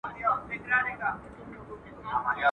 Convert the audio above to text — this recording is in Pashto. په نوراني غېږ کي دي مه لویوه.